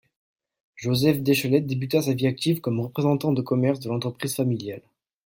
Joseph Déchelette débuta sa vie active comme représentant de commerce de l'entreprise familiale.